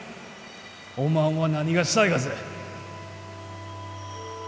おまんは何がしたいがぜ？